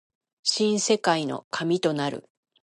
新世界の神となる